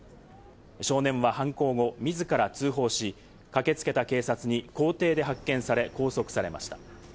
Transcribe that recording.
少年は犯行後、自ら通報し、駆けつけた警察に校庭で発見され、拘束されました。